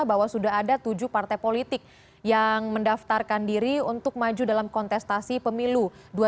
bahwa sudah ada tujuh partai politik yang mendaftarkan diri untuk maju dalam kontestasi pemilu dua ribu sembilan belas